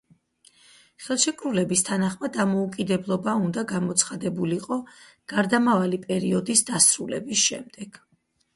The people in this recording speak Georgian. ხელშეკრულების თანახმად დამოუკიდებლობა უნდა გამოცხადებულიყო გარდამავალი პერიოდის დასრულების შემდეგ.